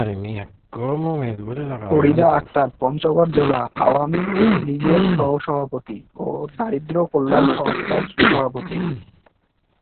ফরিদা আখতার পঞ্চগড় জেলা আওয়ামী লীগের সহসভাপতি ও দারিদ্র কল্যাণ সংস্থার সভাপতি।